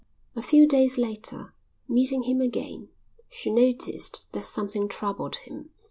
A few days later, meeting him again, she noticed that something troubled him.